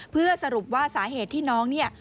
เพื่อสรุปว่าสาเหตุที่น้องเนี่ย